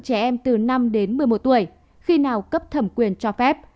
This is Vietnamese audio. đối tượng trẻ em từ năm đến một mươi một tuổi khi nào cấp thẩm quyền cho phép